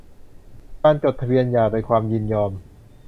การจดทะเบียนหย่าโดยความยินยอม